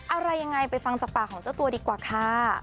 อะไรยังไงไปฟังจากปากของเจ้าตัวดีกว่าค่ะ